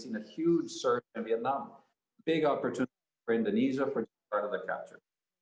peningkatan besar di vietnam perjalanan besar untuk indonesia untuk menjadi bagian dari pengangkutan